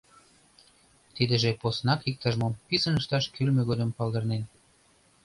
Тидыже поснак иктаж-мом писын ышташ кӱлмӧ годым палдырнен.